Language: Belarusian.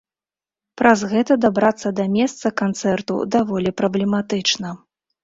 Праз гэта дабрацца да месца канцэрту даволі праблематычна.